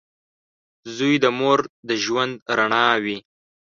• زوی د مور د ژوند رڼا وي.